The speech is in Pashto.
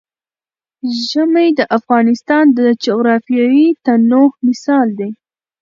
ژمی د افغانستان د جغرافیوي تنوع مثال دی.